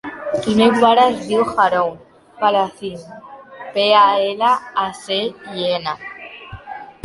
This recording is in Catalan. El meu pare es diu Haroun Palacin: pe, a, ela, a, ce, i, ena.